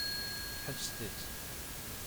Ḥebset-tt.